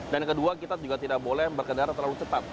dan yang kedua kita juga tidak boleh berkendara terlalu cepat